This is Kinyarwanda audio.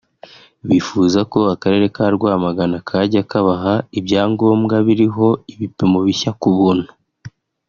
Bifuza ko akarere ka Rwamagana kajya kabaha ibyangombwa biriho ibipimo bishya ku buntu